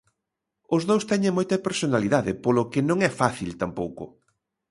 Os dous teñen moita personalidade, polo que non é fácil tampouco.